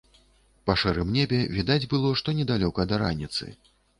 Па шэрым небе відаць было, што недалёка да раніцы.